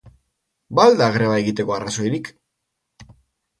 Ba al da greba egiteko arrazoirik?